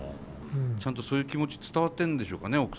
ちゃんとそういう気持ち伝わってるんでしょうかね